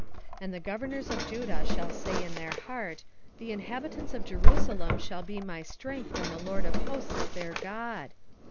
12:5 And the governors of Judah shall say in their heart, The inhabitants of Jerusalem shall be my strength in the LORD of hosts their God.